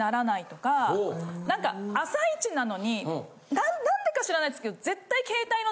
朝イチなのになんでか知らないですけど絶対。